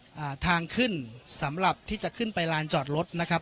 อ่าทางขึ้นสำหรับที่จะขึ้นไปลานจอดรถนะครับ